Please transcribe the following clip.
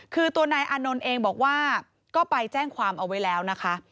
คือตัวนายอานนท์เองบอกว่าก็ไปแจ้งความเอาไว้แล้วนะคะ